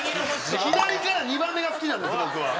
左から２番目が好きなんです僕は。